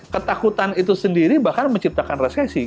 ketakutan itu sendiri bahkan menciptakan resesi